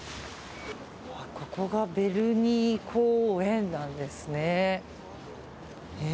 ここがヴェルニー公園なんですね。